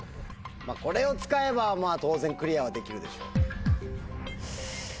これを使えば当然クリアはできるでしょう。